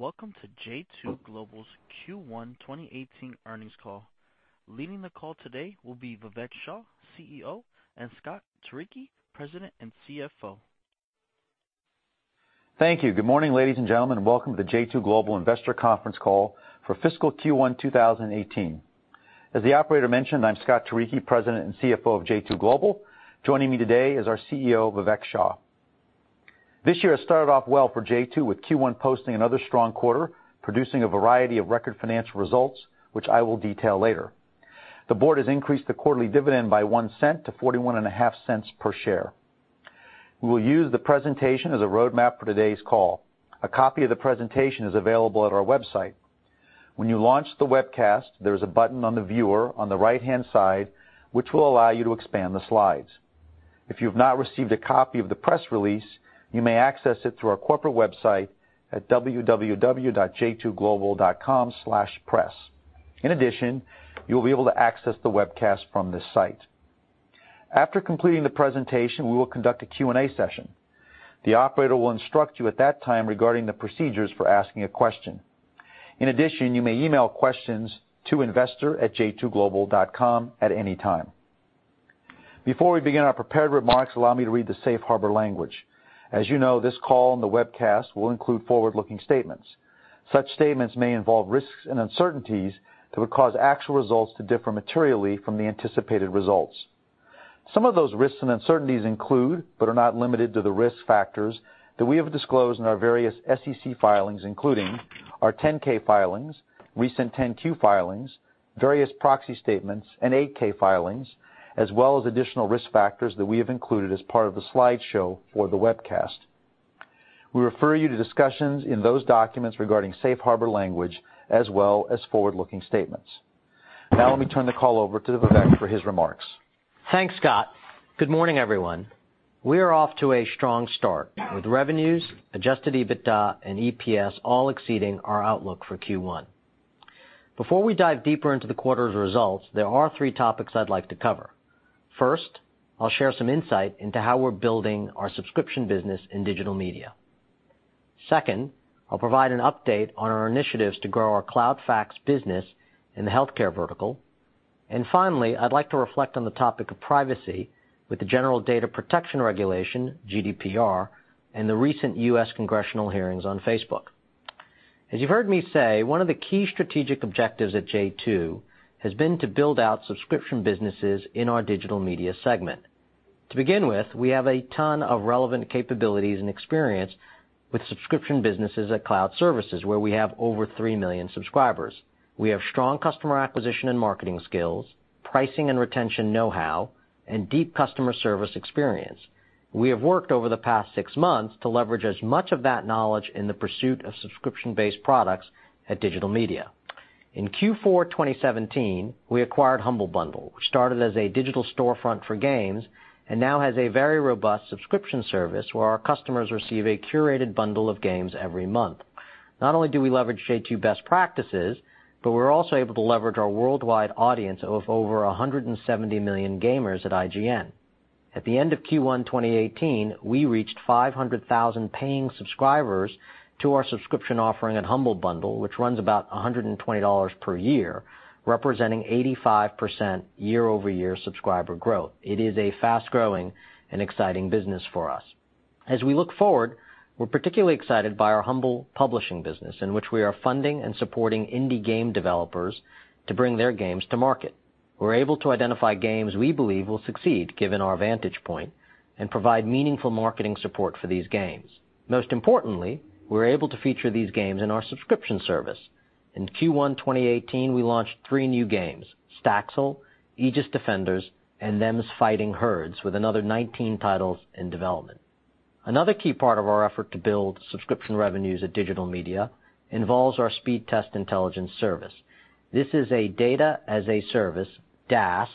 Welcome to j2 Global's Q1 2018 earnings call. Leading the call today will be Vivek Shah, CEO, and Scott Turicchi, President and CFO. Thank you. Good morning, ladies and gentlemen, welcome to the j2 Global investor conference call for fiscal Q1 2018. As the operator mentioned, I'm Scott Turicchi, President and CFO of j2 Global. Joining me today is our CEO, Vivek Shah. This year has started off well for j2, with Q1 posting another strong quarter, producing a variety of record financial results, which I will detail later. The board has increased the quarterly dividend by $0.01 to $0.415 per share. We will use the presentation as a roadmap for today's call. A copy of the presentation is available at our website. When you launch the webcast, there is a button on the viewer on the right-hand side, which will allow you to expand the slides. If you've not received a copy of the press release, you may access it through our corporate website at www.j2global.com/press. You'll be able to access the webcast from this site. After completing the presentation, we will conduct a Q&A session. The operator will instruct you at that time regarding the procedures for asking a question. You may email questions to investor@j2global.com at any time. Before we begin our prepared remarks, allow me to read the safe harbor language. As you know, this call and the webcast will include forward-looking statements. Such statements may involve risks and uncertainties that would cause actual results to differ materially from the anticipated results. Some of those risks and uncertainties include, but are not limited to, the risk factors that we have disclosed in our various SEC filings, including our 10K filings, recent 10Q filings, various proxy statements, and 8-K filings, as well as additional risk factors that we have included as part of the slideshow for the webcast. We refer you to discussions in those documents regarding safe harbor language as well as forward-looking statements. Let me turn the call over to Vivek for his remarks. Thanks, Scott. Good morning, everyone. We are off to a strong start, with revenues, adjusted EBITDA, and EPS all exceeding our outlook for Q1. Before we dive deeper into the quarter's results, there are three topics I'd like to cover. First, I'll share some insight into how we're building our subscription business in digital media. Second, I'll provide an update on our initiatives to grow our Cloud Fax business in the healthcare vertical. Finally, I'd like to reflect on the topic of privacy with the General Data Protection Regulation, GDPR, and the recent U.S. congressional hearings on Facebook. As you've heard me say, one of the key strategic objectives at j2 has been to build out subscription businesses in our digital media segment. To begin with, we have a ton of relevant capabilities and experience with subscription businesses at Cloud Services, where we have over 3 million subscribers. We have strong customer acquisition and marketing skills, pricing and retention know-how, and deep customer service experience. We have worked over the past six months to leverage as much of that knowledge in the pursuit of subscription-based products at digital media. In Q4 2017, we acquired Humble Bundle, which started as a digital storefront for games and now has a very robust subscription service where our customers receive a curated bundle of games every month. Not only do we leverage j2 best practices, but we're also able to leverage our worldwide audience of over 170 million gamers at IGN. At the end of Q1 2018, we reached 500,000 paying subscribers to our subscription offering at Humble Bundle, which runs about $120 per year, representing 85% year-over-year subscriber growth. It is a fast-growing and exciting business for us. As we look forward, we're particularly excited by our Humble publishing business, in which we are funding and supporting indie game developers to bring their games to market. We're able to identify games we believe will succeed, given our vantage point, and provide meaningful marketing support for these games. Most importantly, we're able to feature these games in our subscription service. In Q1 2018, we launched three new games, Staxel, Aegis Defenders, and Them's Fightin' Herds, with another 19 titles in development. Another key part of our effort to build subscription revenues at digital media involves our Speedtest Intelligence service. This is a Data-as-a-Service, DaaS,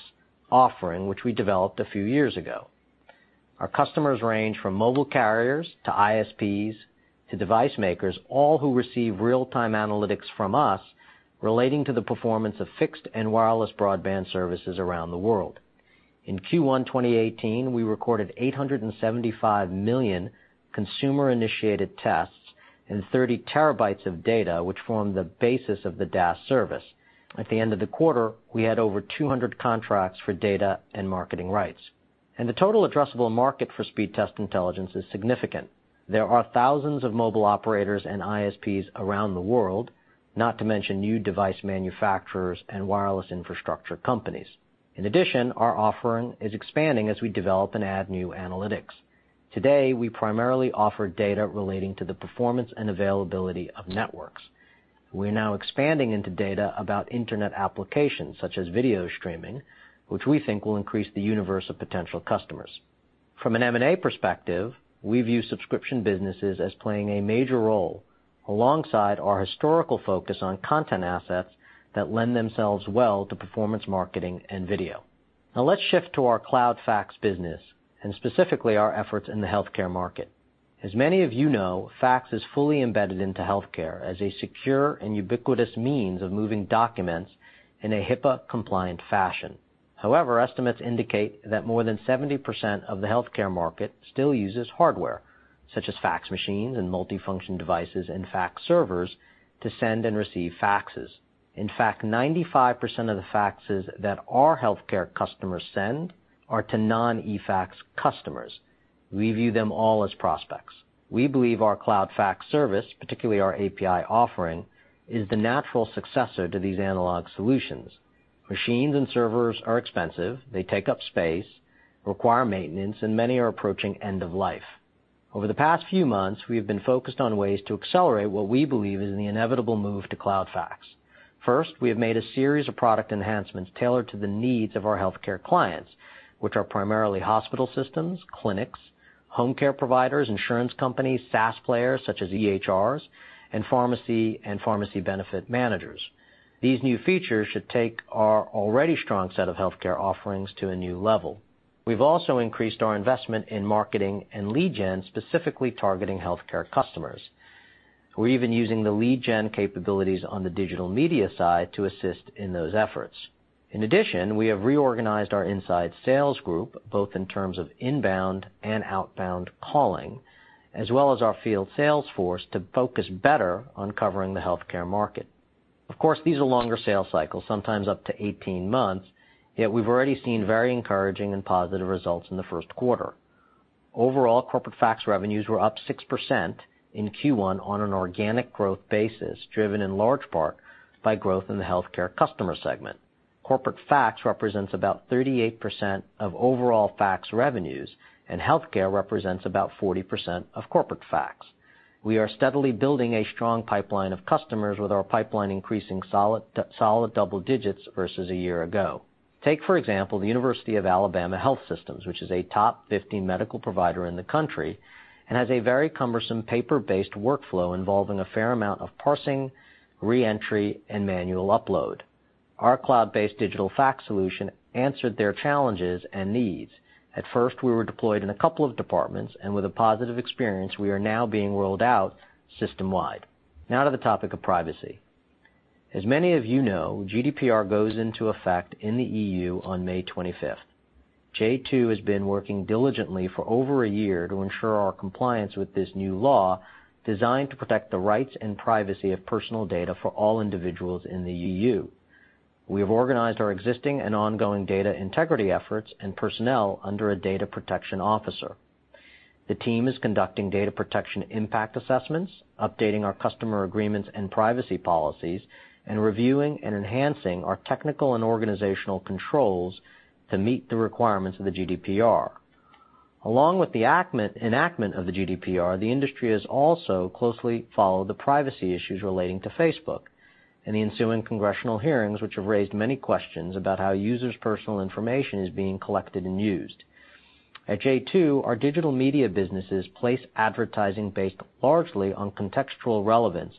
offering, which we developed a few years ago. Our customers range from mobile carriers to ISPs to device makers, all who receive real-time analytics from us relating to the performance of fixed and wireless broadband services around the world. In Q1 2018, we recorded 875 million consumer-initiated tests and 30 terabytes of data, which form the basis of the DaaS service. At the end of the quarter, we had over 200 contracts for data and marketing rights. The total addressable market for Speedtest Intelligence is significant. There are thousands of mobile operators and ISPs around the world, not to mention new device manufacturers and wireless infrastructure companies. In addition, our offering is expanding as we develop and add new analytics. Today, we primarily offer data relating to the performance and availability of networks. We're now expanding into data about internet applications, such as video streaming, which we think will increase the universe of potential customers. From an M&A perspective, we view subscription businesses as playing a major role alongside our historical focus on content assets that lend themselves well to performance marketing and video. Let's shift to our Cloud Fax business and specifically our efforts in the healthcare market. As many of you know, fax is fully embedded into healthcare as a secure and ubiquitous means of moving documents in a HIPAA-compliant fashion. However, estimates indicate that more than 70% of the healthcare market still uses hardware, such as fax machines and multifunction devices and fax servers, to send and receive faxes. In fact, 95% of the faxes that our healthcare customers send are to non-eFax customers. We view them all as prospects. We believe our cloud fax service, particularly our API offering, is the natural successor to these analog solutions. Machines and servers are expensive, they take up space, require maintenance, and many are approaching end of life. Over the past few months, we have been focused on ways to accelerate what we believe is the inevitable move to cloud fax. We have made a series of product enhancements tailored to the needs of our healthcare clients, which are primarily hospital systems, clinics, home care providers, insurance companies, SaaS players such as EHRs, and pharmacy and Pharmacy Benefit Managers. These new features should take our already strong set of healthcare offerings to a new level. We've also increased our investment in marketing and lead gen, specifically targeting healthcare customers. We're even using the lead gen capabilities on the digital media side to assist in those efforts. In addition, we have reorganized our inside sales group, both in terms of inbound and outbound calling, as well as our field sales force, to focus better on covering the healthcare market. Of course, these are longer sales cycles, sometimes up to 18 months, yet we've already seen very encouraging and positive results in the first quarter. Corporate fax revenues were up 6% in Q1 on an organic growth basis, driven in large part by growth in the healthcare customer segment. Corporate fax represents about 38% of overall fax revenues, and healthcare represents about 40% of corporate fax. We are steadily building a strong pipeline of customers with our pipeline increasing solid double digits versus a year ago. Take, for example, the University of Alabama Health System, which is a top 15 medical provider in the country and has a very cumbersome paper-based workflow involving a fair amount of parsing, re-entry, and manual upload. Our cloud-based digital fax solution answered their challenges and needs. At first, we were deployed in a couple of departments, and with a positive experience, we are now being rolled out system-wide. To the topic of privacy. As many of you know, GDPR goes into effect in the EU on May 25th. j2 has been working diligently for over a year to ensure our compliance with this new law designed to protect the rights and privacy of personal data for all individuals in the EU. We have organized our existing and ongoing data integrity efforts and personnel under a data protection officer. The team is conducting data protection impact assessments, updating our customer agreements and privacy policies, and reviewing and enhancing our technical and organizational controls to meet the requirements of the GDPR. The industry has also closely followed the privacy issues relating to Facebook and the ensuing congressional hearings, which have raised many questions about how users' personal information is being collected and used. At j2, our digital media businesses place advertising based largely on contextual relevance,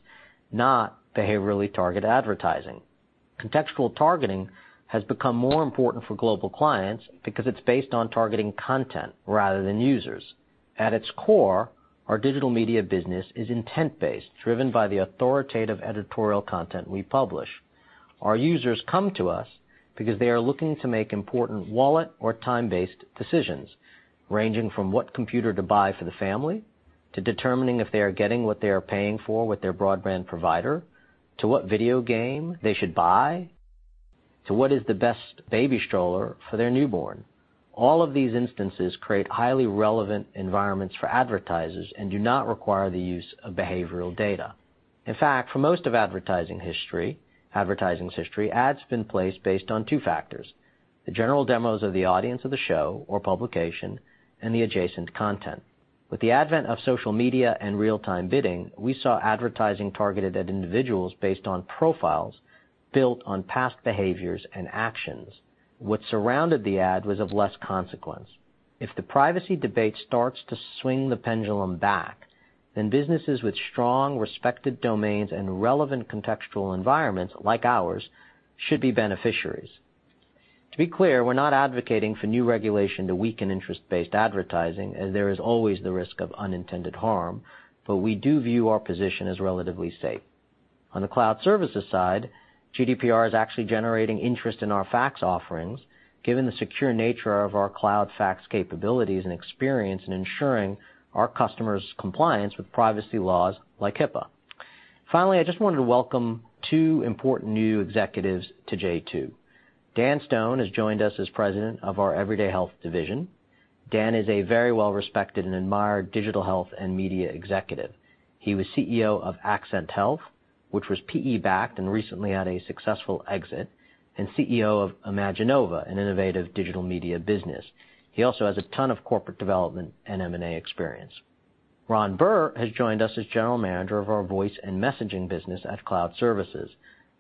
not behaviorally targeted advertising. Contextual targeting has become more important for global clients because it is based on targeting content rather than users. At its core, our digital media business is intent-based, driven by the authoritative editorial content we publish. Our users come to us because they are looking to make important wallet or time-based decisions, ranging from what computer to buy for the family, to determining if they are getting what they are paying for with their broadband provider, to what video game they should buy, to what is the best baby stroller for their newborn. All of these instances create highly relevant environments for advertisers and do not require the use of behavioral data. In fact, for most of advertising's history, ads have been placed based on two factors, the general demos of the audience of the show or publication, and the adjacent content. With the advent of social media and real-time bidding, we saw advertising targeted at individuals based on profiles built on past behaviors and actions. What surrounded the ad was of less consequence. If the privacy debate starts to swing the pendulum back, then businesses with strong, respected domains and relevant contextual environments like ours should be beneficiaries. To be clear, we are not advocating for new regulation to weaken interest-based advertising, as there is always the risk of unintended harm, but we do view our position as relatively safe. On the Cloud Services side, GDPR is actually generating interest in our Fax offerings, given the secure nature of our Cloud Fax capabilities and experience in ensuring our customers' compliance with privacy laws like HIPAA. Finally, I just wanted to welcome two important new executives to j2. Dan Stone has joined us as president of our Everyday Health division. Dan is a very well-respected and admired digital health and media executive. He was CEO of AccentHealth, which was PE-backed and recently had a successful exit, and CEO of Imaginova, an innovative digital media business. He also has a ton of corporate development and M&A experience. Ron Burr has joined us as general manager of our Voice and Messaging business at Cloud Services.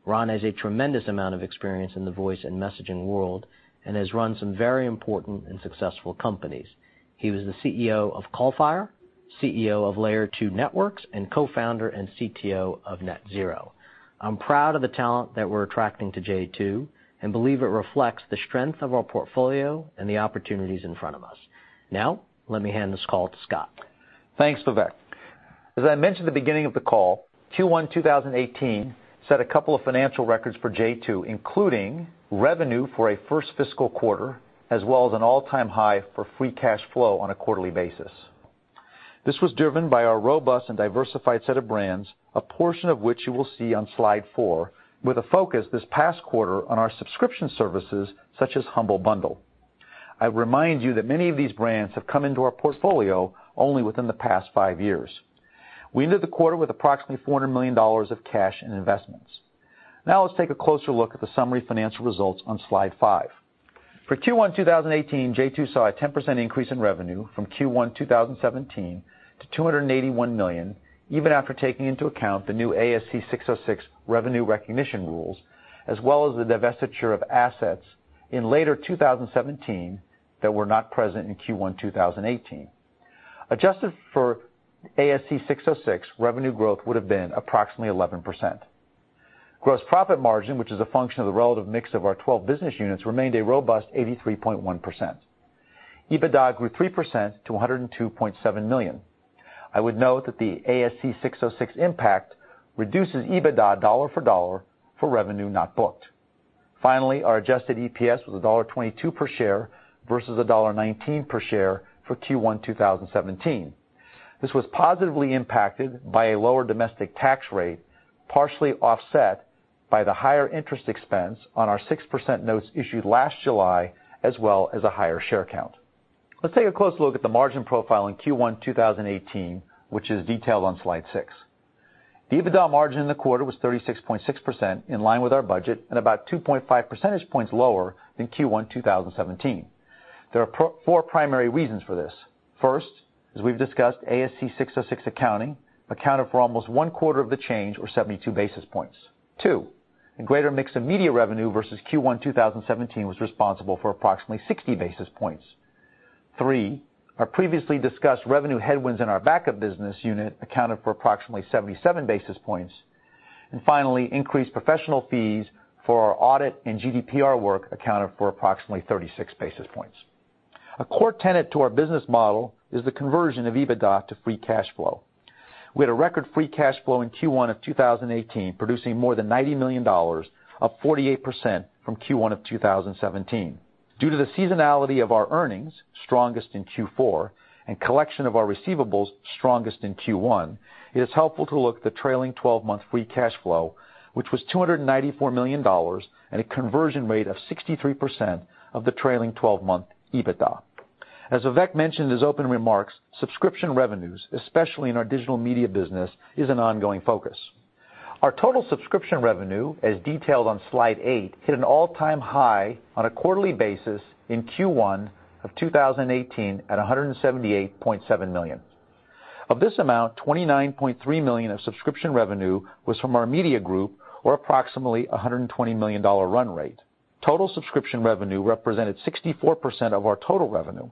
Ron has a tremendous amount of experience in the voice and messaging world and has run some very important and successful companies. He was the CEO of CallFire, CEO of Layer2 Networks, and co-founder and CTO of NetZero. I am proud of the talent that we are attracting to j2 and believe it reflects the strength of our portfolio and the opportunities in front of us. Now, let me hand this call to Scott. Thanks, Vivek. As I mentioned at the beginning of the call, Q1 2018 set a couple of financial records for j2, including revenue for a first fiscal quarter, as well as an all-time high for free cash flow on a quarterly basis. This was driven by our robust and diversified set of brands, a portion of which you will see on slide four, with a focus this past quarter on our subscription services, such as Humble Bundle. I remind you that many of these brands have come into our portfolio only within the past five years. We ended the quarter with approximately $400 million of cash and investments. Let's take a closer look at the summary financial results on slide five. For Q1 2018, j2 saw a 10% increase in revenue from Q1 2017 to $281 million, even after taking into account the new ASC 606 revenue recognition rules, as well as the divestiture of assets in later 2017 that were not present in Q1 2018. Adjusted for ASC 606, revenue growth would have been approximately 11%. Gross profit margin, which is a function of the relative mix of our 12 business units, remained a robust 83.1%. EBITDA grew 3% to $102.7 million. I would note that the ASC 606 impact reduces EBITDA dollar for dollar for revenue not booked. Our adjusted EPS was $1.22 per share versus $1.19 per share for Q1 2017. This was positively impacted by a lower domestic tax rate, partially offset by the higher interest expense on our 6% notes issued last July, as well as a higher share count. Let's take a close look at the margin profile in Q1 2018, which is detailed on Slide six. The EBITDA margin in the quarter was 36.6%, in line with our budget and about 2.5 percentage points lower than Q1 2017. There are four primary reasons for this. First, as we've discussed, ASC 606 accounting accounted for almost one quarter of the change, or 72 basis points. Two, a greater mix of media revenue versus Q1 2017 was responsible for approximately 60 basis points. Three, our previously discussed revenue headwinds in our backup business unit accounted for approximately 77 basis points. Finally, increased professional fees for our audit and GDPR work accounted for approximately 36 basis points. A core tenet to our business model is the conversion of EBITDA to free cash flow. We had a record free cash flow in Q1 of 2018, producing more than $90 million, up 48% from Q1 of 2017. Due to the seasonality of our earnings, strongest in Q4, and collection of our receivables, strongest in Q1, it is helpful to look at the trailing 12-month free cash flow, which was $294 million, and a conversion rate of 63% of the trailing 12-month EBITDA. As Vivek mentioned in his opening remarks, subscription revenues, especially in our digital media business, is an ongoing focus. Our total subscription revenue, as detailed on Slide eight, hit an all-time high on a quarterly basis in Q1 of 2018, at $178.7 million. Of this amount, $29.3 million of subscription revenue was from our media group, or approximately $120 million run rate. Total subscription revenue represented 64% of our total revenue.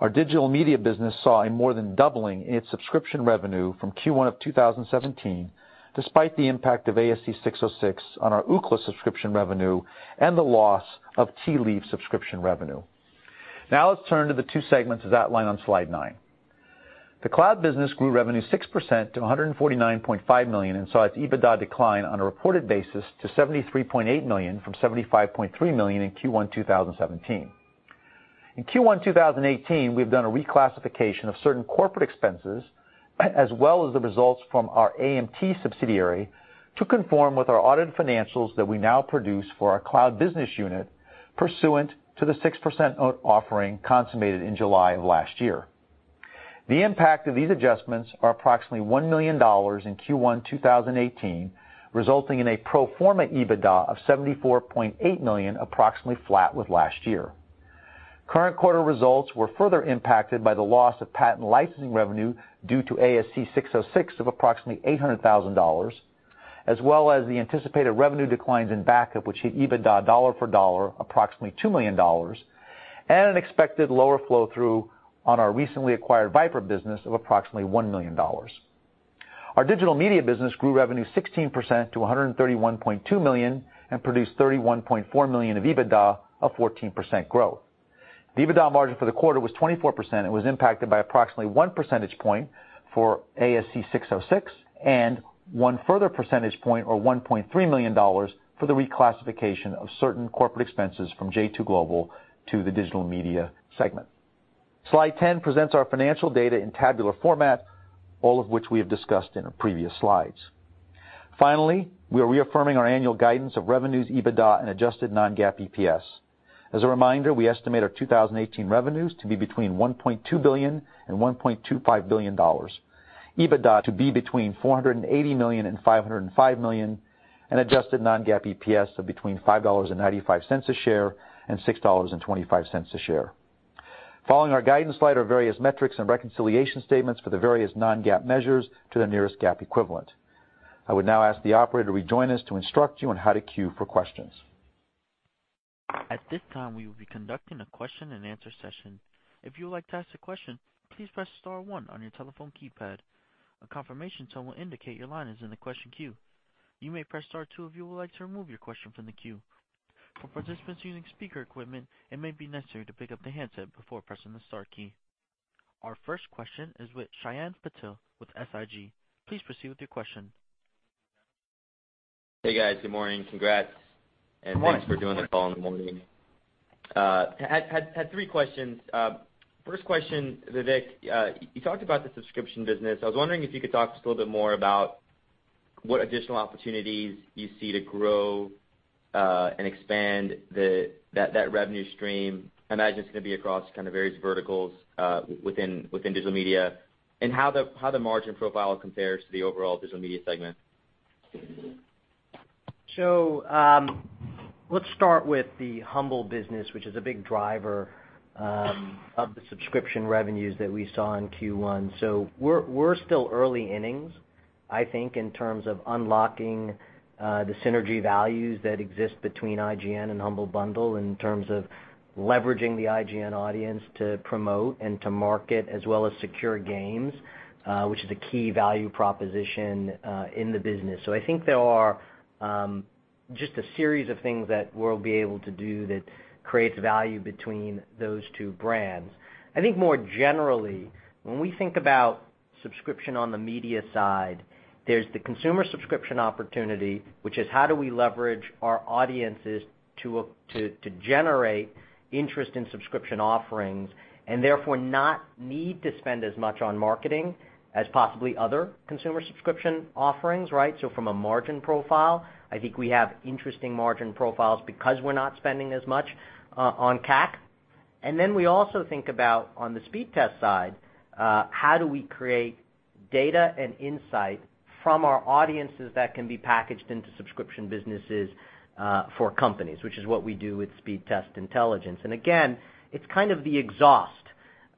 Our digital media business saw a more than doubling in its subscription revenue from Q1 of 2017, despite the impact of ASC 606 on our Ookla subscription revenue and the loss of TeaLeaf subscription revenue. Let's turn to the two segments, as outlined on Slide nine. The cloud business grew revenue 6% to $149.5 million and saw its EBITDA decline on a reported basis to $73.8 million from $75.3 million in Q1 2017. In Q1 2018, we have done a reclassification of certain corporate expenses, as well as the results from our AMT subsidiary to conform with our audited financials that we now produce for our cloud business unit pursuant to the 6% note offering consummated in July of last year. The impact of these adjustments are approximately $1 million in Q1 2018, resulting in a pro forma EBITDA of $74.8 million, approximately flat with last year. Current quarter results were further impacted by the loss of patent licensing revenue due to ASC 606 of approximately $800,000, as well as the anticipated revenue declines in backup, which hit EBITDA dollar for dollar, approximately $2 million, and an expected lower flow-through on our recently acquired VIPRE business of approximately $1 million. Our digital media business grew revenue 16% to $131.2 million and produced $31.4 million of EBITDA of 14% growth. The EBITDA margin for the quarter was 24% and was impacted by approximately one percentage point for ASC 606 and one further percentage point or $1.3 million for the reclassification of certain corporate expenses from j2 Global to the digital media segment. Slide 10 presents our financial data in tabular format, all of which we have discussed in our previous slides. We are reaffirming our annual guidance of revenues, EBITDA, and adjusted non-GAAP EPS. As a reminder, we estimate our 2018 revenues to be between $1.2 billion and $1.25 billion, EBITDA to be between $480 million and $505 million, and adjusted non-GAAP EPS of between $5.95 a share and $6.25 a share. Following our guidance slide are various metrics and reconciliation statements for the various non-GAAP measures to the nearest GAAP equivalent. I would now ask the operator to rejoin us to instruct you on how to queue for questions. At this time, we will be conducting a question-and-answer session. If you would like to ask a question, please press star one on your telephone keypad. A confirmation tone will indicate your line is in the question queue. You may press star two if you would like to remove your question from the queue. Participants using speaker equipment, it may be necessary to pick up the handset before pressing the star key. Our first question is with Shyam Patil with SIG. Please proceed with your question. Hey, guys. Good morning. Congrats. Good morning. Thanks for doing the call in the morning. Had three questions. First question, Vivek. You talked about the subscription business. I was wondering if you could talk just a little bit more about what additional opportunities you see to grow and expand that revenue stream. I imagine it's going to be across kind of various verticals within digital media, and how the margin profile compares to the overall digital media segment. Let's start with the Humble business, which is a big driver of the subscription revenues that we saw in Q1. We're still early innings, I think, in terms of unlocking the synergy values that exist between IGN and Humble Bundle in terms of leveraging the IGN audience to promote and to market as well as secure games, which is a key value proposition in the business. I think there are just a series of things that we'll be able to do that creates value between those two brands. I think more generally, when we think about subscription on the media side, there's the consumer subscription opportunity, which is how do we leverage our audiences to generate interest in subscription offerings, and therefore not need to spend as much on marketing as possibly other consumer subscription offerings. From a margin profile, I think we have interesting margin profiles because we're not spending as much on CAC. Then we also think about, on the Speedtest side, how do we create data and insight from our audiences that can be packaged into subscription businesses for companies, which is what we do with Speedtest Intelligence. Again, it's kind of the exhaust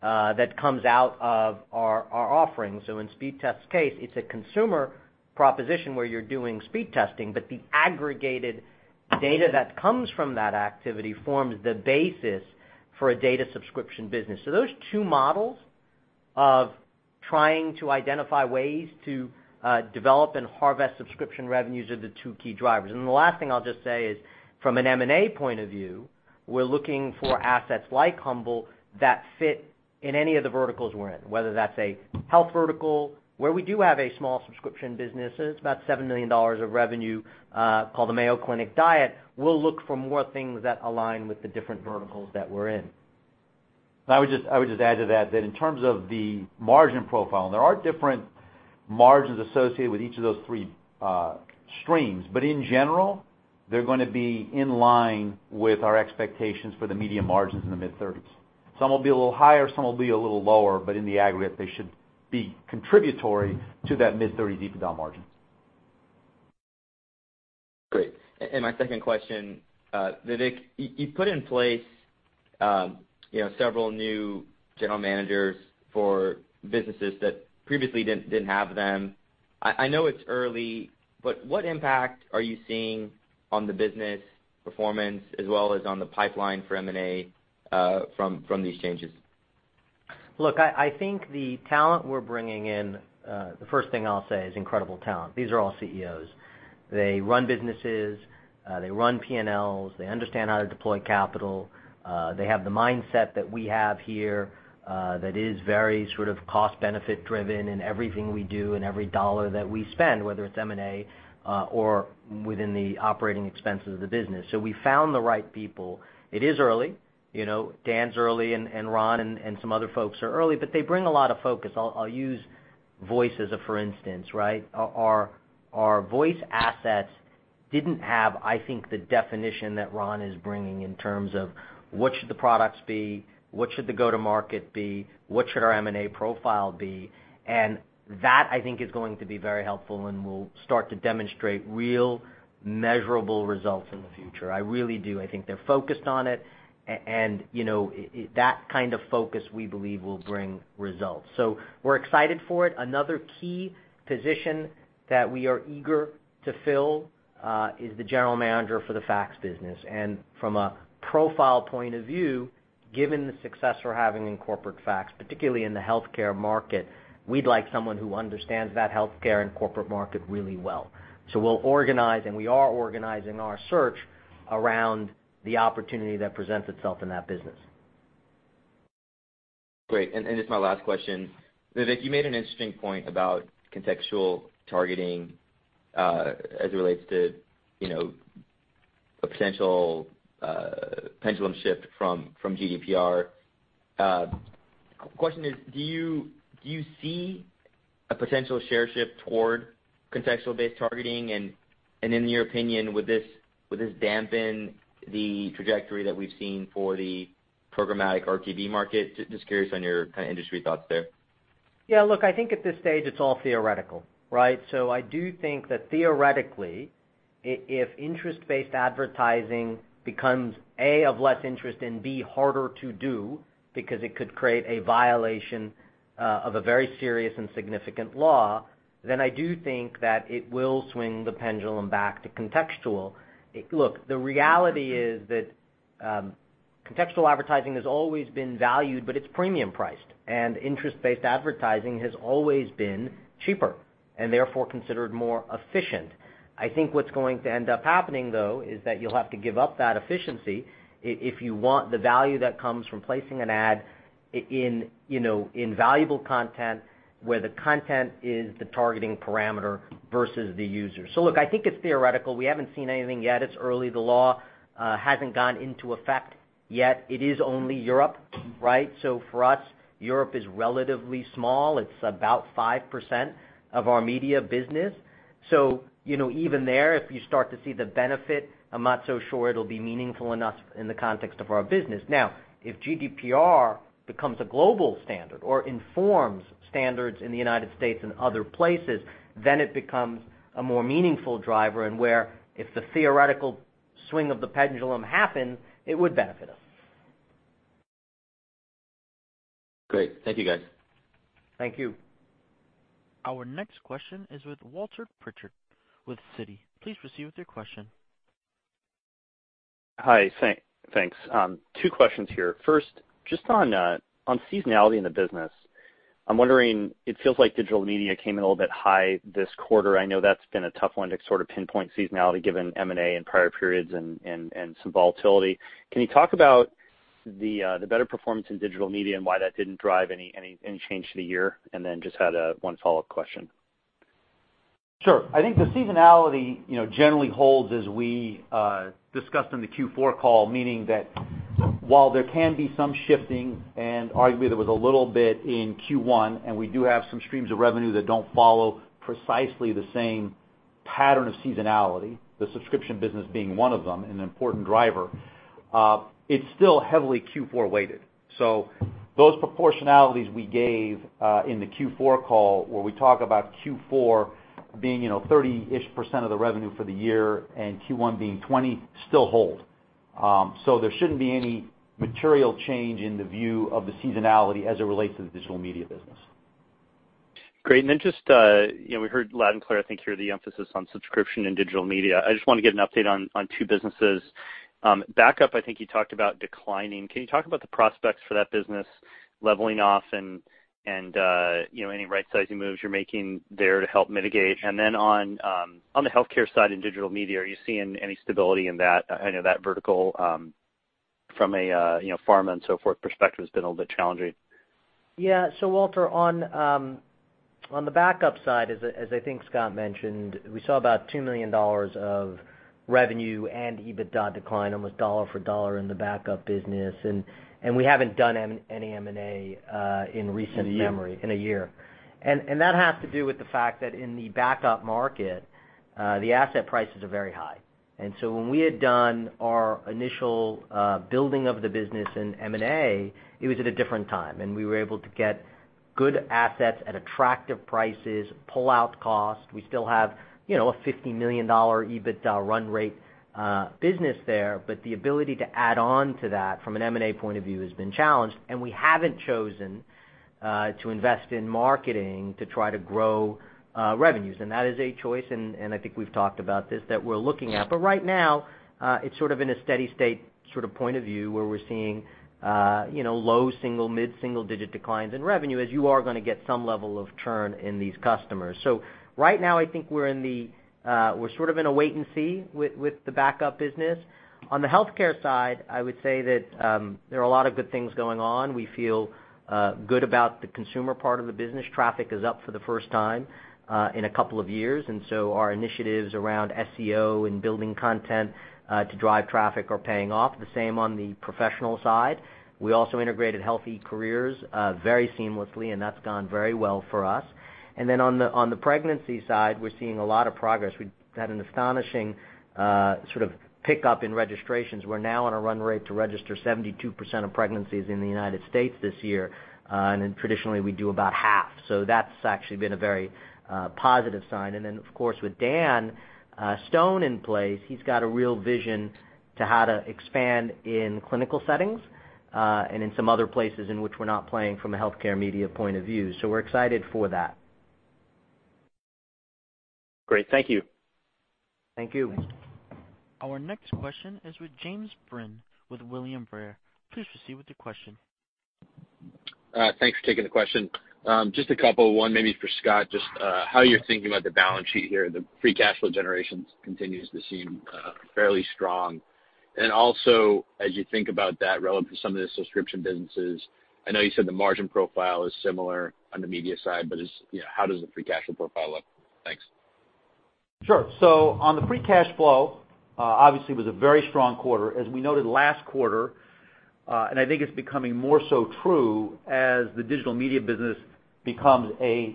that comes out of our offerings. In Speedtest's case, it's a consumer proposition where you're doing speed testing, but the aggregated data that comes from that activity forms the basis for a data subscription business. Those two models of trying to identify ways to develop and harvest subscription revenues are the two key drivers. The last thing I'll just say is, from an M&A point of view, we're looking for assets like Humble that fit in any of the verticals we're in, whether that's a health vertical, where we do have a small subscription business. It's about $7 million of revenue, called the Mayo Clinic Diet. We'll look for more things that align with the different verticals that we're in. I would just add to that in terms of the margin profile. There are different margins associated with each of those three streams. In general, they're going to be in line with our expectations for the media margins in the mid-30s. Some will be a little higher, some will be a little lower, in the aggregate, they should be contributory to that mid-30s EBITDA margin. Great. My second question, Vivek, you put in place several new general managers for businesses that previously didn't have them. I know it's early, but what impact are you seeing on the business performance as well as on the pipeline for M&A, from these changes? I think the talent we're bringing in, the first thing I'll say is incredible talent. These are all CEOs. They run businesses. They run P&Ls. They understand how to deploy capital. They have the mindset that we have here, that is very sort of cost-benefit driven in everything we do and every dollar that we spend, whether it's M&A or within the operating expenses of the business. We found the right people. It is early. Dan is early and Ron and some other folks are early, but they bring a lot of focus. I'll use voice as a for instance, right? Our voice assets didn't have, I think, the definition that Ron is bringing in terms of what should the products be, what should the go-to-market be, what should our M&A profile be. That, I think, is going to be very helpful and will start to demonstrate real measurable results in the future. I really do. I think they're focused on it, and that kind of focus we believe will bring results. We're excited for it. Another key position that we are eager to fill, is the general manager for the Fax business. From a profile point of view, given the success we're having in corporate Fax, particularly in the healthcare market, we'd like someone who understands that healthcare and corporate market really well. We'll organize, and we are organizing our search around the opportunity that presents itself in that business. Great. This is my last question. Vivek, you made an interesting point about contextual targeting, as it relates to a potential pendulum shift from GDPR. Question is, do you see a potential share shift toward contextual-based targeting? In your opinion, would this dampen the trajectory that we've seen for the programmatic RTB market? Just curious on your kind of industry thoughts there. Look, I think at this stage, it's all theoretical, right? I do think that theoretically, if interest-based advertising becomes, A, of less interest, and B, harder to do because it could create a violation of a very serious and significant law, then I do think that it will swing the pendulum back to contextual. Look, the reality is that contextual advertising has always been valued, but it's premium priced, and interest-based advertising has always been cheaper, and therefore considered more efficient. I think what's going to end up happening, though, is that you'll have to give up that efficiency if you want the value that comes from placing an ad in valuable content, where the content is the targeting parameter versus the user. Look, I think it's theoretical. We haven't seen anything yet. It's early. The law hasn't gone into effect yet. It is only Europe, right? For us, Europe is relatively small. It's about 5% of our media business. Even there, if you start to see the benefit, I'm not so sure it'll be meaningful enough in the context of our business. Now, if GDPR becomes a global standard or informs standards in the United States and other places, then it becomes a more meaningful driver, and where, if the theoretical swing of the pendulum happens, it would benefit us. Great. Thank you guys. Thank you. Our next question is with Walter Pritchard with Citi. Please proceed with your question. Hi. Thanks. Two questions here. First, just on seasonality in the business. I'm wondering, it feels like Digital Media came in a little bit high this quarter. I know that's been a tough one to sort of pinpoint seasonality, given M&A in prior periods and some volatility. Can you talk about the better performance in Digital Media and why that didn't drive any change to the year? Then just had one follow-up question. Sure. I think the seasonality generally holds as we discussed in the Q4 call, meaning that while there can be some shifting, and arguably there was a little bit in Q1, and we do have some streams of revenue that don't follow precisely the same pattern of seasonality, the subscription business being one of them, an important driver, it's still heavily Q4 weighted. Those proportionalities we gave, in the Q4 call, where we talk about Q4 being 30-ish% of the revenue for the year and Q1 being 20, still hold. There shouldn't be any material change in the view of the seasonality as it relates to the Digital Media business. Great. Just, we heard loud and clear, I think, here, the emphasis on subscription and Digital Media. I just want to get an update on two businesses. Backup, I think you talked about declining. Can you talk about the prospects for that business leveling off and any right-sizing moves you're making there to help mitigate? Then on the healthcare side in Digital Media, are you seeing any stability in that? I know that vertical, from a pharma and so forth perspective, has been a little bit challenging. Walter, on the backup side, as I think Scott mentioned, we saw about $2 million of revenue and EBITDA decline, almost dollar for dollar in the backup business. We haven't done any M&A in recent memory- In a year in a year. That has to do with the fact that in the backup market, the asset prices are very high. When we had done our initial building of the business in M&A, it was at a different time, we were able to get good assets at attractive prices, pull-out cost. We still have a $50 million EBITDA run rate business there, the ability to add on to that from an M&A point of view has been challenged, we haven't chosen to invest in marketing to try to grow revenues. That is a choice, I think we've talked about this, that we're looking at. Right now, it's sort of in a steady state sort of point of view, where we're seeing low single, mid-single digit declines in revenue, as you are going to get some level of churn in these customers. Right now, I think we're sort of in a wait and see with the backup business. On the healthcare side, I would say that there are a lot of good things going on. We feel good about the consumer part of the business. Traffic is up for the first time in a couple of years, our initiatives around SEO and building content to drive traffic are paying off. The same on the professional side. We also integrated Health eCareers very seamlessly, that's gone very well for us. On the pregnancy side, we're seeing a lot of progress. We've had an astonishing sort of pickup in registrations. We're now on a run rate to register 72% of pregnancies in the U.S. this year, traditionally we do about half. That's actually been a very positive sign. With Dan Stone in place, he's got a real vision to how to expand in clinical settings, and in some other places in which we're not playing from a healthcare media point of view. We're excited for that. Great. Thank you. Thank you. Our next question is with Jim Breen with William Blair. Please proceed with your question. Thanks for taking the question. Just a couple. One maybe for Scott, just how you're thinking about the balance sheet here. The free cash flow generations continues to seem fairly strong. Also, as you think about that relevant to some of the subscription businesses, I know you said the margin profile is similar on the media side, how does the free cash flow profile look? Thanks. Sure. On the free cash flow, obviously it was a very strong quarter. As we noted last quarter, I think it's becoming more so true as the digital media business becomes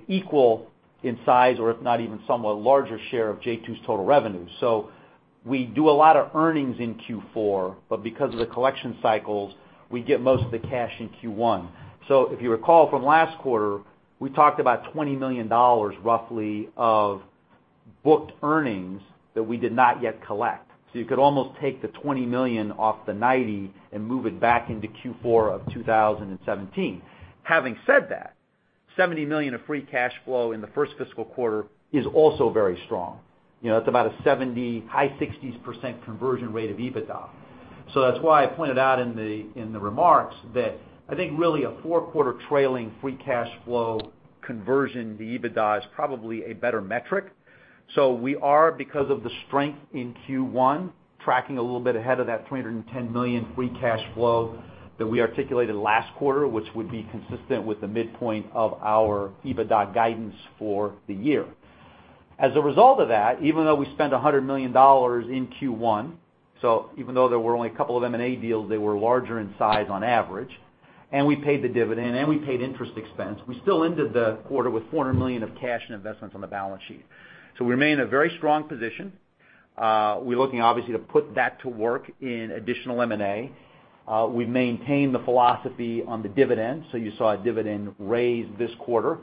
equal in size or if not even somewhat larger share of j2's total revenue. We do a lot of earnings in Q4, because of the collection cycles, we get most of the cash in Q1. If you recall from last quarter, we talked about $20 million roughly of booked earnings that we did not yet collect. You could almost take the $20 million off the $90 million and move it back into Q4 of 2017. Having said that. $70 million of free cash flow in the first fiscal quarter is also very strong. That's about a 70%, high 60s% conversion rate of EBITDA. That's why I pointed out in the remarks that I think really a four-quarter trailing free cash flow conversion to EBITDA is probably a better metric. We are, because of the strength in Q1, tracking a little bit ahead of that $310 million free cash flow that we articulated last quarter, which would be consistent with the midpoint of our EBITDA guidance for the year. As a result of that, even though we spent $100 million in Q1, even though there were only a couple of M&A deals, they were larger in size on average, we paid the dividend, we paid interest expense, we still ended the quarter with $400 million of cash and investments on the balance sheet. We remain in a very strong position. We're looking obviously to put that to work in additional M&A. We maintain the philosophy on the dividend. You saw a dividend raise this quarter,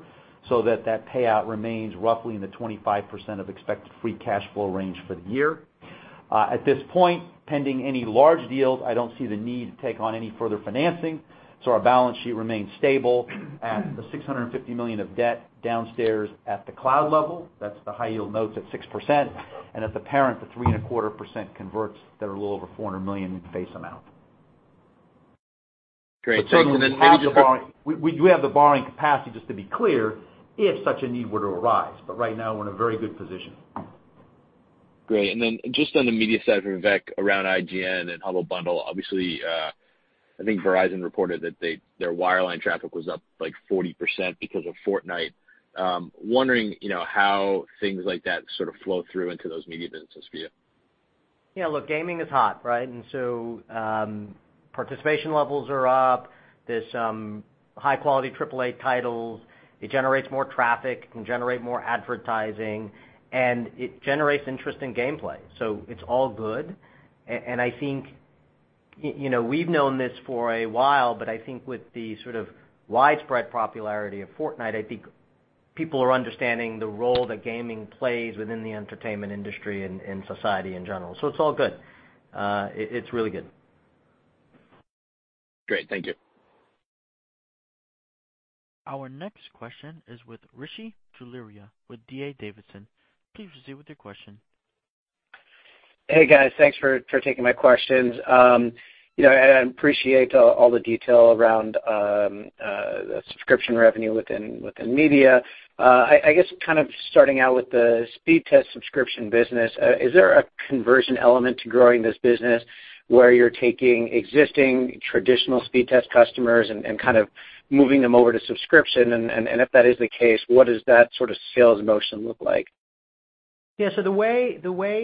that that payout remains roughly in the 25% of expected free cash flow range for the year. At this point, pending any large deals, I don't see the need to take on any further financing. Our balance sheet remains stable at the $650 million of debt downstairs at the Cloud Services level. That's the high yield notes at 6%, at the parent, the 3.25% converts that are a little over $400 million in face amount. Great. Thank you. We do have the borrowing capacity, just to be clear, if such a need were to arise. Right now, we're in a very good position. Great. Just on the media side for Vivek around IGN and Humble Bundle, obviously, I think Verizon reported that their wireline traffic was up 40% because of Fortnite. Wondering how things like that sort of flow through into those media businesses for you. Look, gaming is hot, right? Participation levels are up. There's some high-quality AAA titles. It generates more traffic. It can generate more advertising, and it generates interest in gameplay. It's all good, and I think we've known this for a while, but I think with the sort of widespread popularity of Fortnite, I think people are understanding the role that gaming plays within the entertainment industry and society in general. It's all good. It's really good. Great. Thank you. Our next question is with Rishi Jaluria with D.A. Davidson. Please proceed with your question. Hey, guys. Thanks for taking my questions. I appreciate all the detail around the subscription revenue within media. I guess kind of starting out with the Speedtest subscription business, is there a conversion element to growing this business where you're taking existing traditional Speedtest customers and kind of moving them over to subscription? If that is the case, what does that sort of sales motion look like? Yeah. The way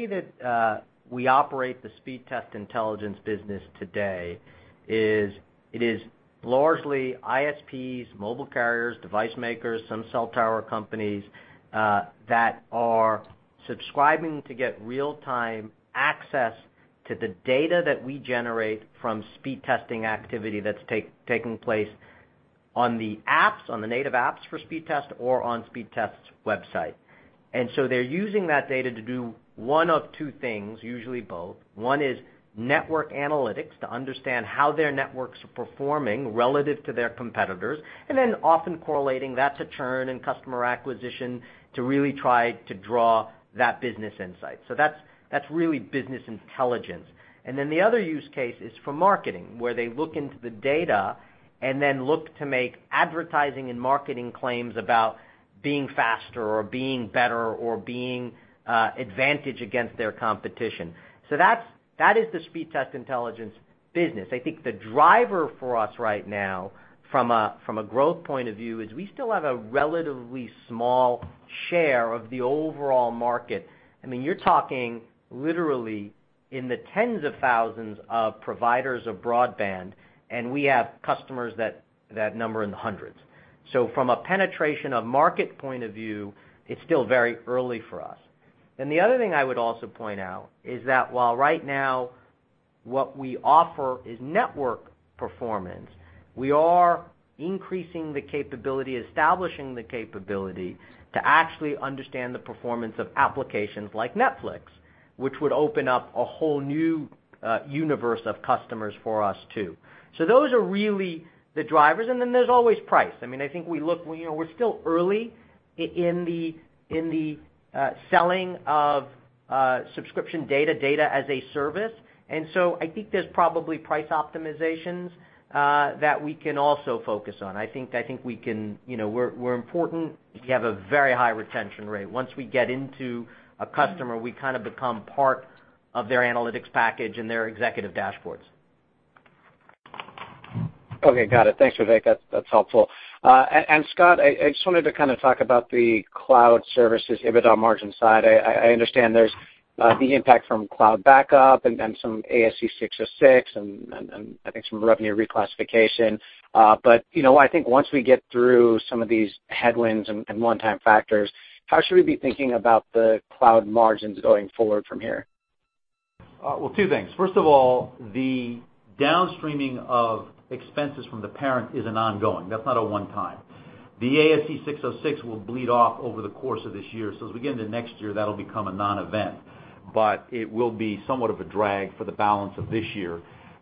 that we operate the Speedtest Intelligence business today is it is largely ISPs, mobile carriers, device makers, some cell tower companies, that are subscribing to get real-time access to the data that we generate from speed testing activity that's taking place on the apps, on the native apps for Speedtest or on Speedtest's website. They're using that data to do one of two things, usually both. One is network analytics to understand how their networks are performing relative to their competitors, and then often correlating that to churn and customer acquisition to really try to draw that business insight. That's really business intelligence. The other use case is for marketing, where they look into the data and then look to make advertising and marketing claims about being faster or being better or being advantage against their competition. That is the Speedtest Intelligence business. I think the driver for us right now from a growth point of view is we still have a relatively small share of the overall market. You're talking literally in the tens of thousands of providers of broadband, and we have customers that number in the hundreds. From a penetration of market point of view, it's still very early for us. The other thing I would also point out is that while right now what we offer is network performance, we are increasing the capability, establishing the capability to actually understand the performance of applications like Netflix, which would open up a whole new universe of customers for us, too. Those are really the drivers. There's always price. I think we're still early in the selling of subscription data as a service. I think there's probably price optimizations that we can also focus on. I think we're important. We have a very high retention rate. Once we get into a customer, we kind of become part of their analytics package and their executive dashboards. Okay. Got it. Thanks, Vivek. That's helpful. Scott, I just wanted to kind of talk about the Cloud Services EBITDA margin side. I understand there's the impact from cloud backup and some ASC 606 and I think some revenue reclassification. I think once we get through some of these headwinds and one-time factors, how should we be thinking about the cloud margins going forward from here? Well, two things. First of all, the downstreaming of expenses from the parent is an ongoing. That's not a one-time. The ASC 606 will bleed off over the course of this year. As we get into next year, that'll become a non-event. It will be somewhat of a drag for the balance of this year.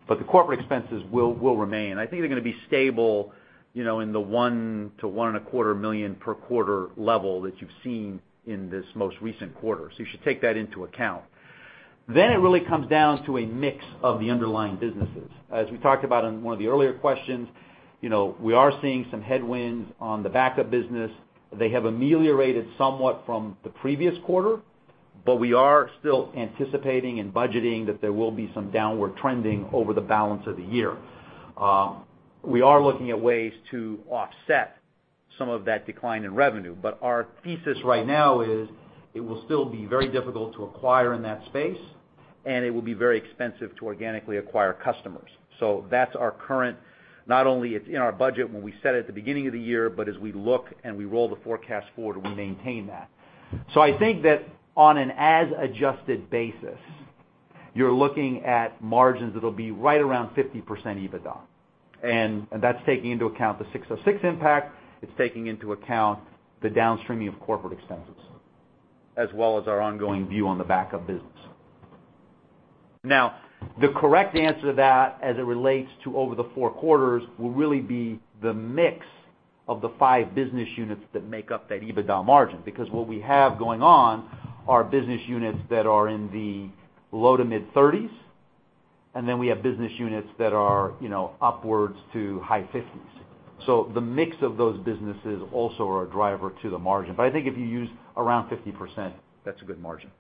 The corporate expenses will remain. I think they're going to be stable in the $1 million to $1.25 million per quarter level that you've seen in this most recent quarter. You should take that into account. It really comes down to a mix of the underlying businesses. As we talked about in one of the earlier questions, we are seeing some headwinds on the backup business. They have ameliorated somewhat from the previous quarter, we are still anticipating and budgeting that there will be some downward trending over the balance of the year. We are looking at ways to offset some of that decline in revenue. Our thesis right now is it will still be very difficult to acquire in that space, and it will be very expensive to organically acquire customers. That's our current, not only it's in our budget when we set it at the beginning of the year, but as we look and we roll the forecast forward, we maintain that. I think that on an as adjusted basis, you're looking at margins that'll be right around 50% EBITDA. That's taking into account the ASC 606 impact. It's taking into account the downstreaming of corporate expenses, as well as our ongoing view on the backup business. The correct answer to that as it relates to over the four quarters, will really be the mix of the five business units that make up that EBITDA margin. What we have going on are business units that are in the low to mid 30s, we have business units that are upwards to high 50s. The mix of those businesses also are a driver to the margin. I think if you use around 50%, that's a good margin.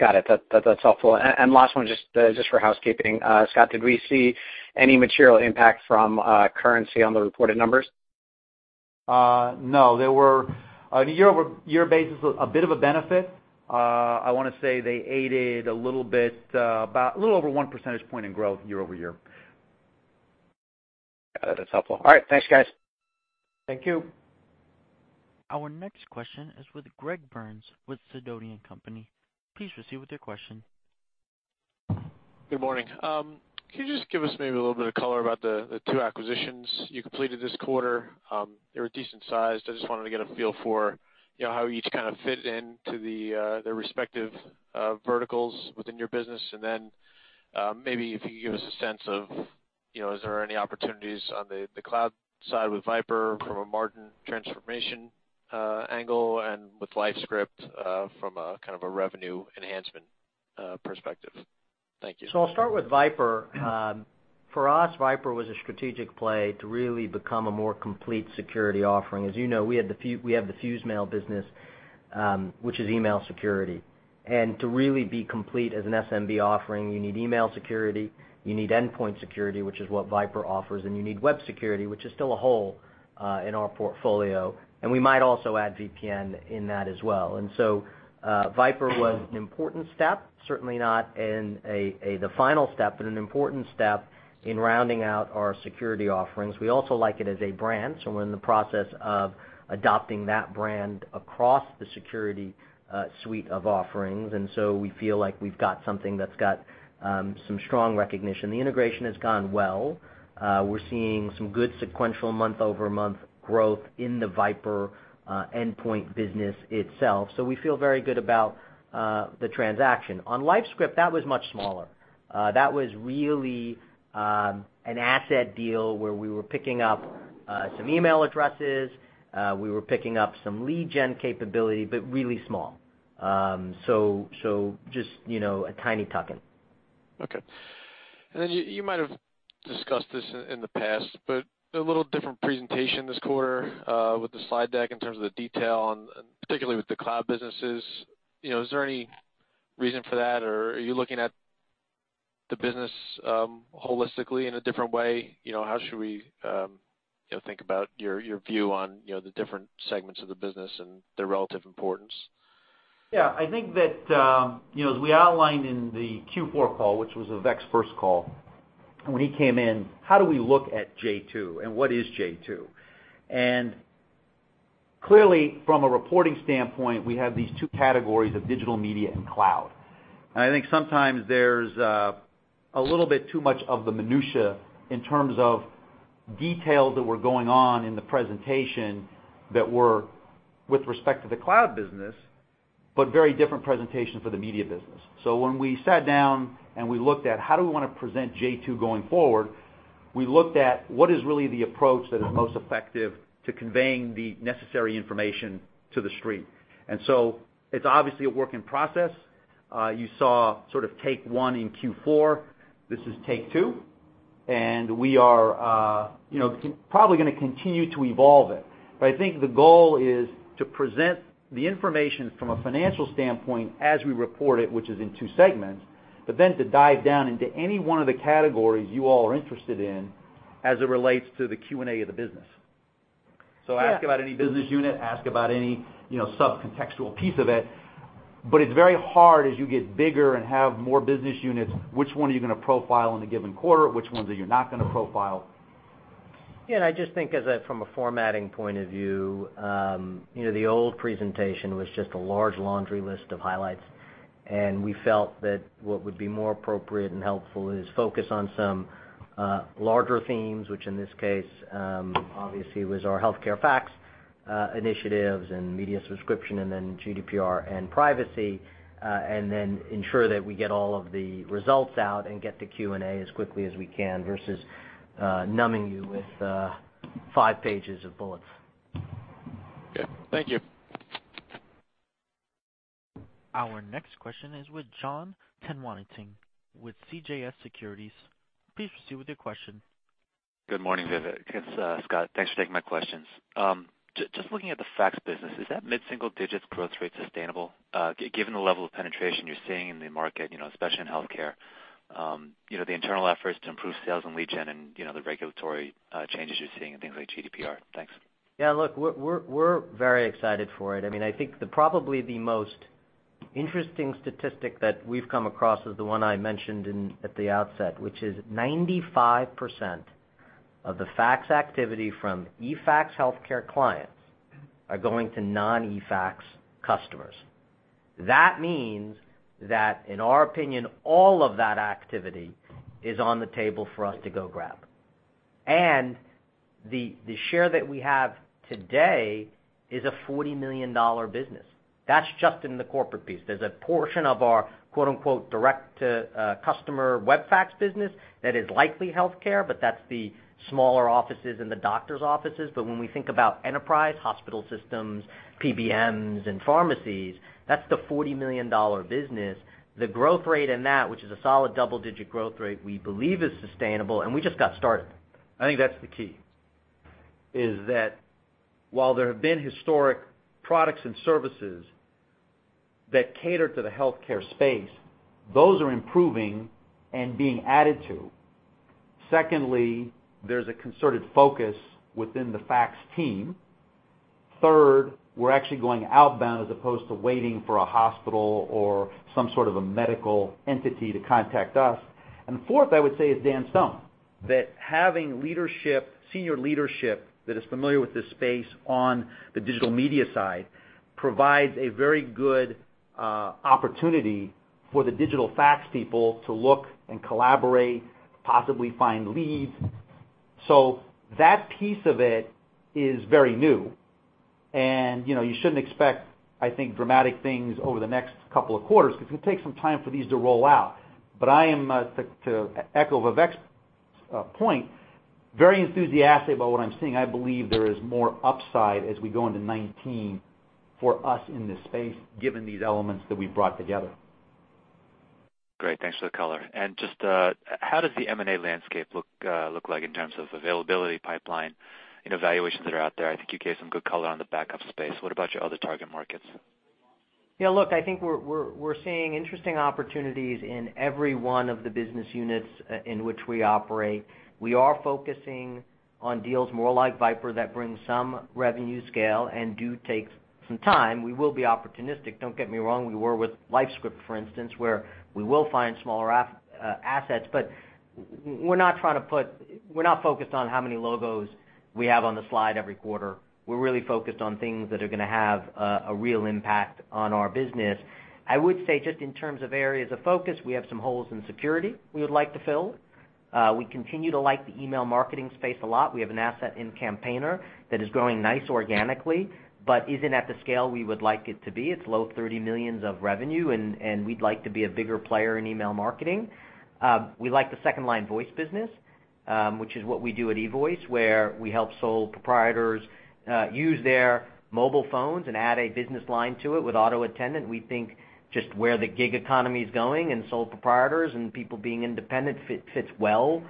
Got it. That's helpful. Last one, just for housekeeping. Scott, did we see any material impact from currency on the reported numbers? No. There were on a year-over-year basis, a bit of a benefit. I want to say they aided a little bit, about a little over 1 percentage point in growth year-over-year. Got it. That's helpful. All right. Thanks, guys. Thank you. Our next question is with Gregory Burns with Sidoti & Company. Please proceed with your question. Good morning. Can you just give us maybe a little bit of color about the two acquisitions you completed this quarter? They were decent sized. I just wanted to get a feel for how each kind of fit into their respective verticals within your business. Maybe if you could give us a sense of, is there any opportunities on the cloud side with VIPRE from a margin transformation angle and with LifeScript, from a kind of a revenue enhancement perspective? Thank you. I'll start with VIPRE. For us, VIPRE was a strategic play to really become a more complete security offering. As you know, we have the FuseMail business, which is email security. To really be complete as an SMB offering, you need email security, you need endpoint security, which is what VIPRE offers, and you need web security, which is still a hole in our portfolio. We might also add VPN in that as well. VIPRE was an important step, certainly not the final step, but an important step in rounding out our security offerings. We also like it as a brand, so we're in the process of adopting that brand across the security suite of offerings. We feel like we've got something that's got some strong recognition. The integration has gone well. We're seeing some good sequential month-over-month growth in the VIPRE endpoint business itself. We feel very good about the transaction. On LifeScript, that was much smaller. That was really an asset deal where we were picking up some email addresses. We were picking up some lead gen capability, but really small. Just a tiny tuck-in. Okay. You might have discussed this in the past, but a little different presentation this quarter, with the slide deck in terms of the detail on particularly with the cloud businesses. Is there any reason for that, or are you looking at the business holistically in a different way? How should we think about your view on the different segments of the business and their relative importance? I think that, as we outlined in the Q4 call, which was Vivek's first call when he came in, how do we look at J2 and what is J2? Clearly, from a reporting standpoint, we have these two categories of digital media and cloud. I think sometimes there's a little bit too much of the minutia in terms of details that were going on in the presentation that were with respect to the cloud business, but very different presentation for the media business. When we sat down and we looked at how do we want to present J2 going forward, we looked at what is really the approach that is most effective to conveying the necessary information to the street. It's obviously a work in process. You saw sort of take one in Q4. This is take two. We are probably going to continue to evolve it. I think the goal is to present the information from a financial standpoint as we report it, which is in 2 segments, then to dive down into any one of the categories you all are interested in as it relates to the Q&A of the business. Ask about any business unit, ask about any sub-contextual piece of it's very hard as you get bigger and have more business units, which one are you going to profile in a given quarter? Which ones are you not going to profile? Yeah, I just think as from a formatting point of view, the old presentation was just a large laundry list of highlights We felt that what would be more appropriate and helpful is focus on some larger themes, which in this case, obviously, was our healthcare Fax initiatives and media subscription, then GDPR and privacy, then ensure that we get all of the results out and get to Q&A as quickly as we can, versus numbing you with 5 pages of bullets. Okay. Thank you. Our next question is with Jonathan Tanwanteng with CJS Securities. Please proceed with your question. Good morning, Vivek. It's Scott. Thanks for taking my questions. Just looking at the fax business, is that mid-single digits growth rate sustainable, given the level of penetration you're seeing in the market, especially in healthcare, the internal efforts to improve sales and lead gen and the regulatory changes you're seeing and things like GDPR? Thanks. Look, we're very excited for it. I think probably the most interesting statistic that we've come across is the one I mentioned at the outset, which is 95% of the fax activity from eFax healthcare clients are going to non-eFax customers. That means that in our opinion, all of that activity is on the table for us to go grab. The share that we have today is a $40 million business. That's just in the corporate piece. There's a portion of our "direct to customer" web fax business that is likely healthcare, but that's the smaller offices and the doctor's offices. When we think about enterprise hospital systems, PBMs, and pharmacies, that's the $40 million business. The growth rate in that, which is a solid double-digit growth rate, we believe is sustainable. We just got started. I think that's the key, is that while there have been historic products and services that cater to the healthcare space, those are improving and being added to. Secondly, there's a concerted focus within the fax team. Third, we're actually going outbound as opposed to waiting for a hospital or some sort of a medical entity to contact us. Fourth, I would say, is Dan Stone. That having senior leadership that is familiar with this space on the digital media side provides a very good opportunity for the digital fax people to look and collaborate, possibly find leads. That piece of it is very new, and you shouldn't expect, I think, dramatic things over the next couple of quarters, because it takes some time for these to roll out. I am, to echo Vivek's point, very enthusiastic about what I'm seeing. I believe there is more upside as we go into 2019 for us in this space, given these elements that we've brought together. Great. Thanks for the color. Just how does the M&A landscape look like in terms of availability pipeline and evaluations that are out there? I think you gave some good color on the backup space. What about your other target markets? Look, I think we're seeing interesting opportunities in every one of the business units in which we operate. We are focusing on deals more like VIPRE that bring some revenue scale and do take some time. We will be opportunistic, don't get me wrong. We were with LifeScript, for instance, where we will find smaller assets. We're not focused on how many logos we have on the slide every quarter. We're really focused on things that are going to have a real impact on our business. I would say, just in terms of areas of focus, we have some holes in security we would like to fill. We continue to like the email marketing space a lot. We have an asset in Campaigner that is growing nice organically, but isn't at the scale we would like it to be. It's low $30 million of revenue, and we'd like to be a bigger player in email marketing. We like the second-line voice business, which is what we do at eVoice, where we help sole proprietors use their mobile phones and add a business line to it with auto attendant. We think just where the gig economy is going and sole proprietors and people being independent fits well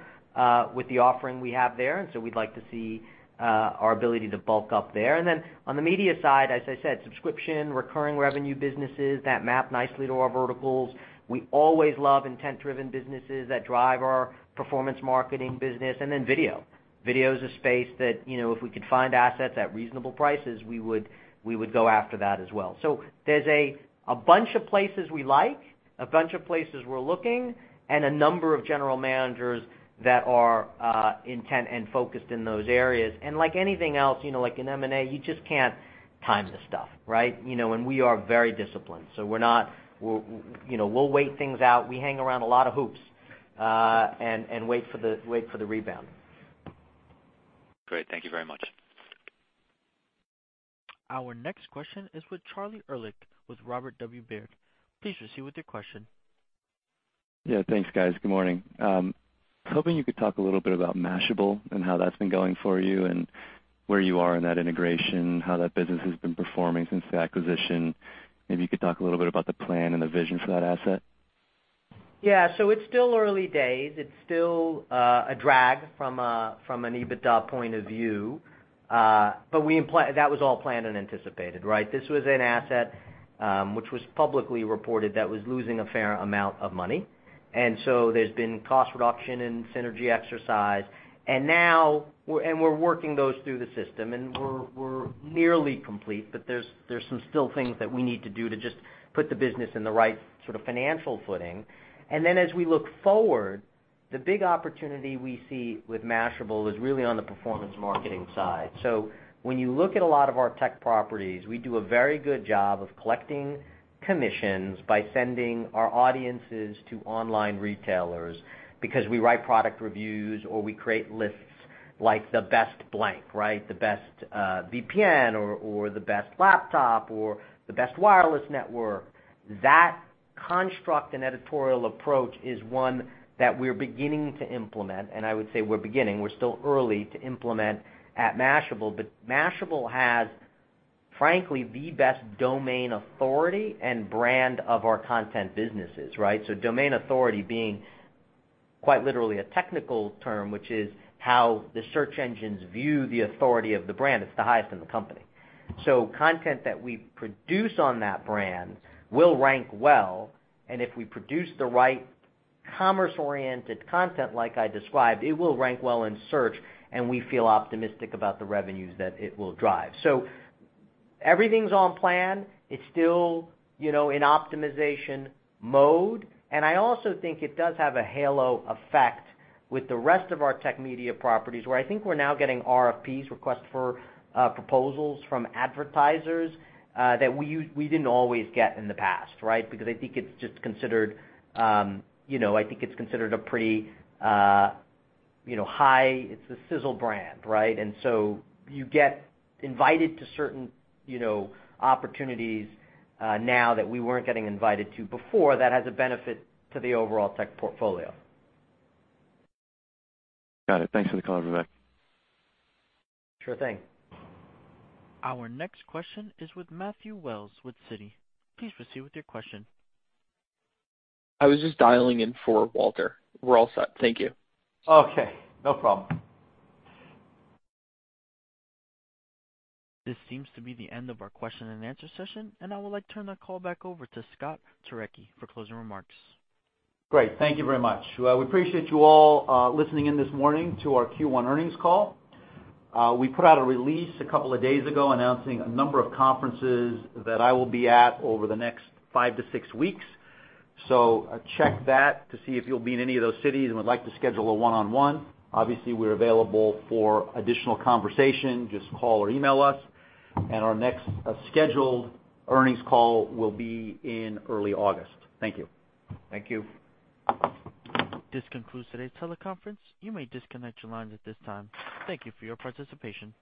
with the offering we have there, and so we'd like to see our ability to bulk up there. On the media side, as I said, subscription, recurring revenue businesses, that map nicely to our verticals. We always love intent-driven businesses that drive our performance marketing business. Video. Video's a space that if we could find assets at reasonable prices, we would go after that as well. There's a bunch of places we like, a bunch of places we're looking, and a number of general managers that are intent and focused in those areas. Like anything else, like in M&A, you just can't time this stuff, right? We are very disciplined. We'll wait things out. We hang around a lot of hoops, and wait for the rebound. Great. Thank you very much. Our next question is with Charlie Erlikh with Robert W. Baird. Please proceed with your question. Thanks, guys. Good morning. I'm hoping you could talk a little bit about Mashable and how that's been going for you and where you are in that integration, how that business has been performing since the acquisition. Maybe you could talk a little bit about the plan and the vision for that asset. Yeah. It's still early days. It's still a drag from an EBITDA point of view. That was all planned and anticipated, right? This was an asset, which was publicly reported, that was losing a fair amount of money. There's been cost reduction and synergy exercise, and we're working those through the system, and we're nearly complete, but there's some still things that we need to do to just put the business in the right sort of financial footing. As we look forward, the big opportunity we see with Mashable is really on the performance marketing side. When you look at a lot of our tech properties, we do a very good job of collecting commissions by sending our audiences to online retailers because we write product reviews or we create lists like the best blank, right? The best VPN or the best laptop or the best wireless network. That construct and editorial approach is one that we're beginning to implement, and I would say we're beginning, we're still early to implement at Mashable. Mashable has, frankly, the best domain authority and brand of our content businesses, right? Domain authority being quite literally a technical term, which is how the search engines view the authority of the brand. It's the highest in the company. Content that we produce on that brand will rank well, and if we produce the right commerce-oriented content like I described, it will rank well in search, and we feel optimistic about the revenues that it will drive. Everything's on plan. It's still in optimization mode. I also think it does have a halo effect with the rest of our tech media properties, where I think we're now getting RFPs, request for proposals from advertisers, that we didn't always get in the past, right? Because I think it's considered a pretty high. It's a sizzle brand, right? You get invited to certain opportunities now that we weren't getting invited to before that has a benefit to the overall tech portfolio. Got it. Thanks for the color, Vivek. Sure thing. Our next question is with Matthew Wells with Citi. Please proceed with your question. I was just dialing in for Walter. We're all set. Thank you. Okay. No problem. This seems to be the end of our question and answer session. I would like to turn the call back over to Scott Turicchi for closing remarks. Great. Thank you very much. We appreciate you all listening in this morning to our Q1 earnings call. We put out a release a couple of days ago announcing a number of conferences that I will be at over the next five to six weeks. Check that to see if you'll be in any of those cities and would like to schedule a one-on-one. Obviously, we're available for additional conversation. Just call or email us. Our next scheduled earnings call will be in early August. Thank you. Thank you. This concludes today's teleconference. You may disconnect your lines at this time. Thank you for your participation.